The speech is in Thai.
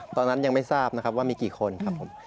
ตอนนั้นยังไม่ทราบว่ามีกี่คนครับ